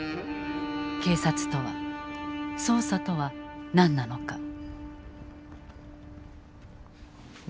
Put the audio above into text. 警察とは捜査とは何なのか。